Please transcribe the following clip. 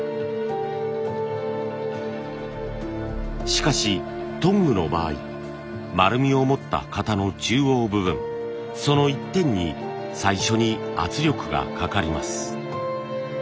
しかしトングの場合丸みをもった型の中央部分その一点に最初に圧力がかかります。